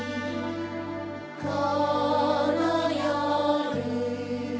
このよる